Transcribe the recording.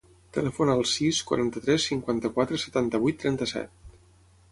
Telefona al sis, quaranta-tres, cinquanta-quatre, setanta-vuit, trenta-set.